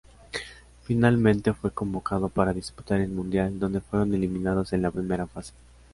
Finalmente fue convocado para disputar el Mundial, donde fueron eliminados en la primera fase.